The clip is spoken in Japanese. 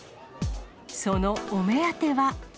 そのお目当ては。